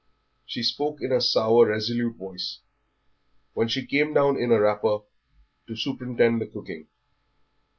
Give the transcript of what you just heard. She spoke in a sour, resolute voice, when she came down in a wrapper to superintend the cooking.